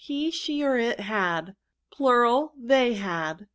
He, she, or it had. They had.